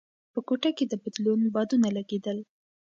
په کوټه کې د بدلون بادونه لګېدل.